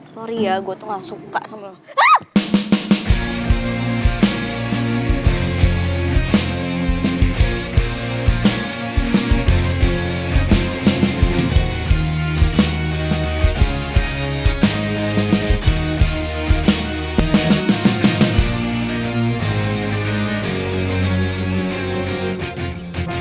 sorry ya gue tuh gak suka sama lo